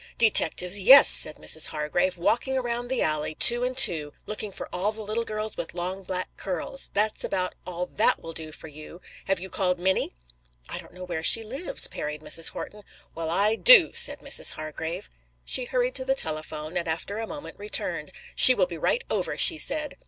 "Detectives, yes!" said Mrs. Hargrave. "Walking around the alley, two and two, looking for all the little girls with long, black curls. That's about all that will do for you. Have you called Minnie?" "I don't know where she lives," parried Mrs. Horton. "Well, I do!" said Mrs. Hargrave. She hurried to the telephone, and after a moment returned. "She will be right over," she said.